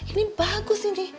ini bagus ini